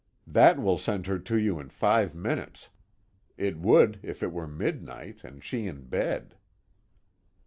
That will send her to you in five minutes. It would if it were midnight and she in bed."